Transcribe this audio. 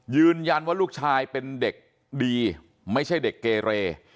ยืนยันว่าลูกชายเป็นเด็กดีไม่ใช่เด็กเกเร